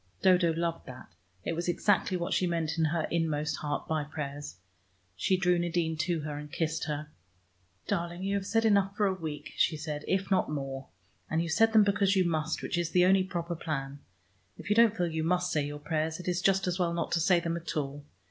Dodo loved that: it was exactly what she meant in her inmost heart by prayers. She drew Nadine to her and kissed her. "Darling, you have said enough for a week," she said, "if not more. And you said them because you must, which is the only proper plan. If you don't feel you must say your prayers, it is just as well not to say them at all.